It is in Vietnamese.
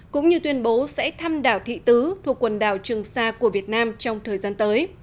cũng như tuyên bố sẽ thăm đảo thị tứ thuộc quần đảo trường sa của việt nam trong thời gian tới